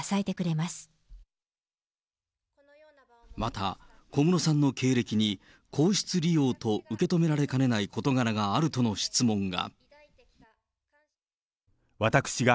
また、小室さんの経歴に皇室利用と受け止められかねない事柄があるとの質問が。